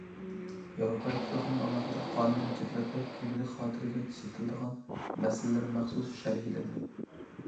ياۋروپا ئىتتىپاقىنىڭ ئالاقىدار قانۇن ھۆججەتلىرىدە كۈندىلىك خاتىرىگە چېتىلىدىغان مەسىلىلەر مەخسۇس شەرھلەنگەن.